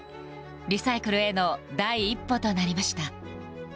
リサイクルへの第一歩となりました。